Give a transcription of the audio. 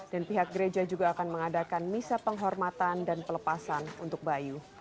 dan pihak gereja juga akan mengadakan misa penghormatan dan pelepasan untuk bayu